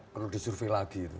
perlu disurvei lagi